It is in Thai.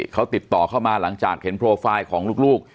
เขาติดต่อเข้ามาหลังจากเห็นโปรไฟล์ของลูก